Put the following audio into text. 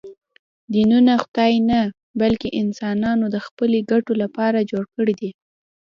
دینونه خدای نه، بلکې انسانانو د خپلو ګټو لپاره جوړ کړي دي